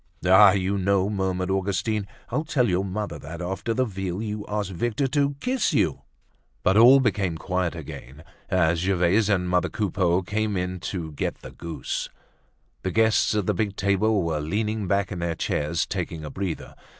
"Ah! you know," murmured Augustine, "I'll tell your mother that after the veal you asked Victor to kiss you." But all became quiet again as Gervaise and mother Coupeau came in to get the goose. The guests at the big table were leaning back in their chairs taking a breather.